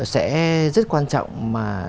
sẽ rất quan trọng mà